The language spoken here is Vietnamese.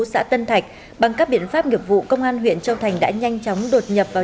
xã tân thạch bằng các biện pháp nghiệp vụ công an huyện châu thành đã nhanh chóng đột nhập vào